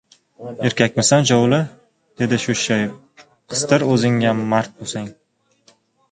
— Erkakmisan, Jovli, — dedi o‘shshayib, — qistir o‘zingam mard bo‘lsang!